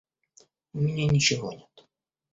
У меня ничего нет.